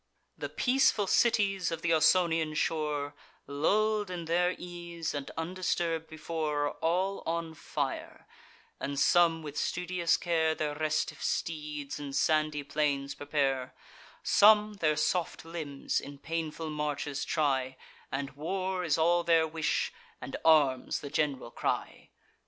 The peaceful cities of th' Ausonian shore, Lull'd in their ease, and undisturb'd before, Are all on fire; and some, with studious care, Their restiff steeds in sandy plains prepare; Some their soft limbs in painful marches try, And war is all their wish, and arms the gen'ral cry.